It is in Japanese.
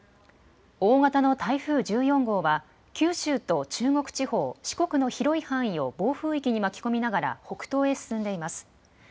大型の台風１４号は九州と中国地方、四国の広い範囲を暴風域に巻き込みながら北東へ進んでいます。